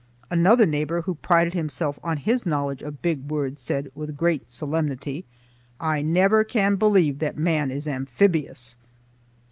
Another neighbor, who prided himself on his knowledge of big words, said with great solemnity: "I never can believe that man is amphibious!"